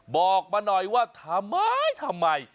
บอกมาหน่อยว่าทำไมทำไม